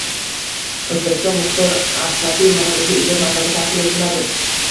O‘zbekistonda Muxtor Ashrafiy nomidagi ijod maktabi tashkil etiladi